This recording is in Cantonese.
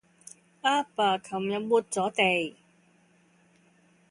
阿爸琴日抹咗地